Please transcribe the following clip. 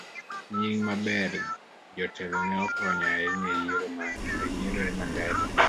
Nying maber. Jotelo ne okonyo ahinya e yiero Mandela